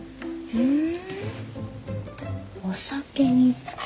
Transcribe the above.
うん。